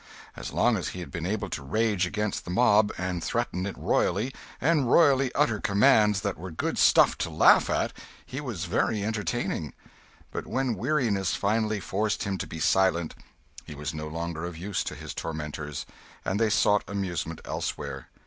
As long as he had been able to rage against the mob, and threaten it royally, and royally utter commands that were good stuff to laugh at, he was very entertaining; but when weariness finally forced him to be silent, he was no longer of use to his tormentors, and they sought amusement elsewhere.